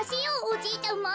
おじいちゃま。